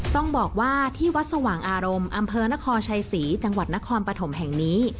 ต้องบอกว่าที่วัดสว่างอารมณ์อำเภอนครชัยศรีจังหวัดนครปฐมแห่งนี้